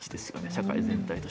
社会全体が。